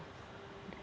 mau pakai hasil daripada